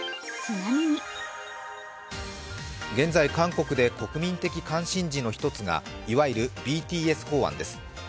現在、韓国で国民的関心事の１つがいわゆるＢＴＳ法案です。